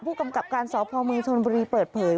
ผู้กำกับการสพเมืองชนบุรีเปิดเผย